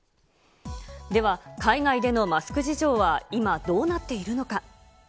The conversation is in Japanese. では、海外でのマスク事情は今、どうなっているのか。